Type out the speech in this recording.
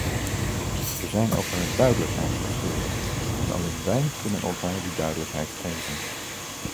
We zijn elkaar duidelijkheid verschuldigd, en alleen wij kunnen elkaar die duidelijkheid geven.